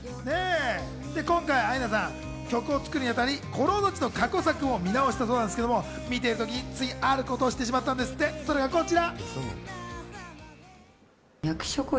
今回アイナさん、曲を作るにあたり『孤狼の血』の過去作も見直したそうなんですけれど見てる時につい、あることをしてしまったそうなんですがこちら。